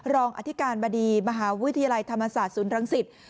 รองอธิการบดีมหาวิทยาลัยธรรมศาสตร์ศูนย์รังสิต